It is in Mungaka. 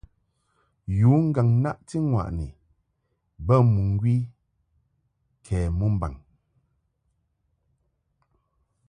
Yu ŋgàŋ-naʼti-ŋwàʼni bə mɨŋgwi kɛ mɨmbaŋ ɛ ?